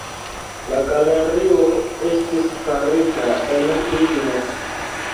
La galerio estis farita el ligno.